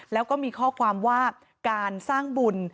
แล้วก็มีข้อความว่าการสร้างบุญ